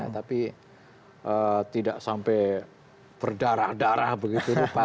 tapi tidak sampai berdarah darah banyak